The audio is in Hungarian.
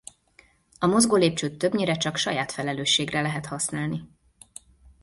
A mozgólépcsőt többnyire csak saját felelősségre lehet használni.